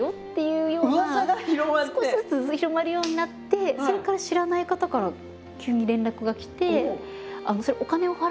少しずつ広まるようになってそれから知らない方から急に連絡が来て。